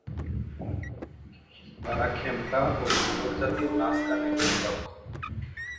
তারা খেমটা ও ঝুমুর জাতীয় নাচ-গানে বেশ দক্ষ।